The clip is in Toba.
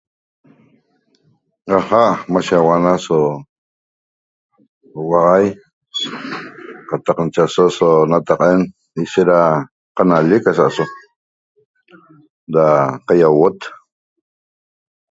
Aja' mashe 'auana aso auaxai qataq nache aso nataqa'en ishet da qanallic asa'aso da qayauot